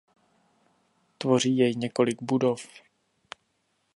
Tvoří jej několik budov.